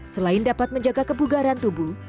selain dapat menjaga kebugaran tubuh